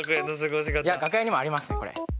いや楽屋にもありますねこれ。